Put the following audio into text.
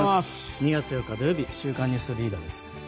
２月４日、土曜日「週刊ニュースリーダー」です。